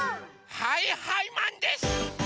はいはいマンです！